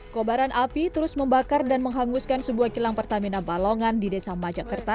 kobaran api terus membakar dan menghanguskan sebuah kilang pertamina balongan di desa majakerta